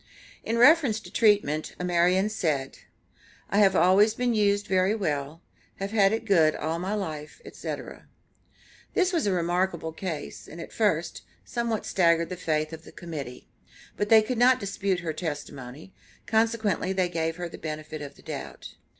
In reference to treatment, Amarian said: "I have always been used very well; have had it good all my life, etc." This was a remarkable case, and, at first, somewhat staggered the faith of the Committee, but they could not dispute her testimony, consequently they gave her the benefit of the doubt.